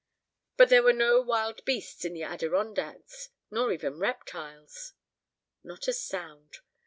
... But there were no wild beasts in the Adirondacks, nor even reptiles. ... Nor a sound.